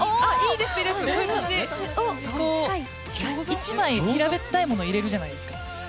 １枚平べったいものを入れるじゃないですか。